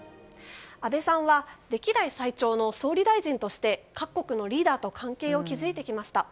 安倍さんは歴代最長の総理大臣として各国のリーダーと関係を築いてきました。